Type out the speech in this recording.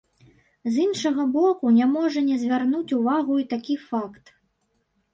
З іншага боку, не можа не звярнуць увагу і такі факт.